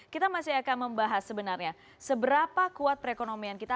kita masih akan membahas sebenarnya seberapa kuat perekonomian kita